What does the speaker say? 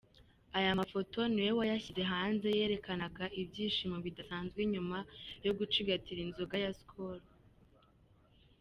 Aya mafoto niwe wayashyize hanze yerekanaga ibyishimo bidasanzwe nyuma yo gucigatira inzoga ya Skol.